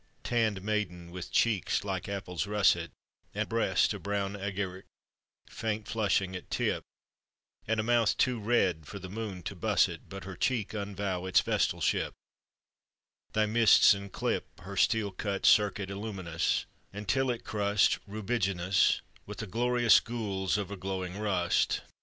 Tanned maiden! with cheeks like apples russet, And breast a brown agaric faint flushing at tip, And a mouth too red for the moon to buss it But her cheek unvow its vestalship; Thy mists enclip Her steel clear circuit illuminous, Until it crust Rubiginous With the glorious gules of a glowing rust.